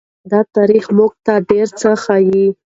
دا تاریخ موږ ته ډېر څه ښيي.